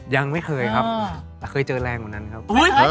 ยังไม่เคยครับแต่เคยเจอแรงกว่านั้นครับ